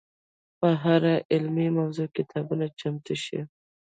په هره علمي موضوع کتابونه چمتو شي.